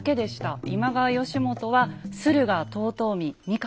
今川義元は駿河遠江三河。